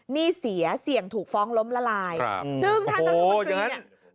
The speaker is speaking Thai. นี่เสียเสี่ยงถูกฟ้องล้มละลายซึ่งท่านรัฐมนตรี